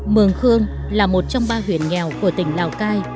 mường khương là một trong ba huyện nghèo của tỉnh lào cai